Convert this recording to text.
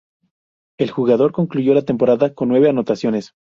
El jugador concluyó la temporada con nueve anotaciones.